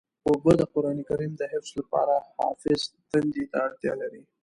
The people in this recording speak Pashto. اوبه د قرآن کریم د حفظ لپاره حافظ تندې ته اړتیا لري.